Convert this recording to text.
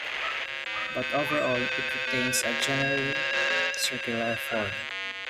But overall it retains a generally circular form.